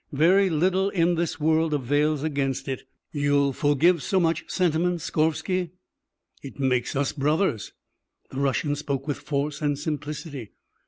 Very little in this world avails against it. You'll forgive so much sentiment, Skorvsky?" "It makes us brothers." The Russian spoke with force and simplicity.